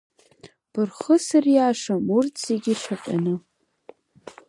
Бырхысыр иашам урҭ зегь шьаҟьаны!